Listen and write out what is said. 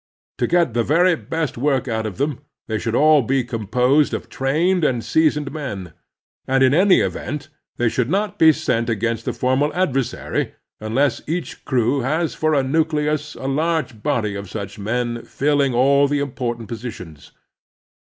To get the very best work out of them, they should all be composed of trained and seasoned men ; and in any event they should not be sent against a formidable adversary unless each crew has for a nucleus a large body of such men filling all the important positions.